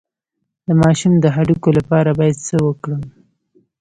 د ماشوم د هډوکو لپاره باید څه وکړم؟